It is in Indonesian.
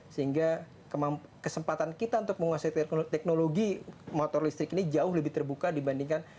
sehingga kesempatan kita untuk menguasai teknologi motor listrik ini jauh lebih terbuka dibandingkan